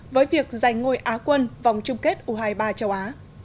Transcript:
với việc giành ngôi á quân vòng chung kết u hai mươi ba châu á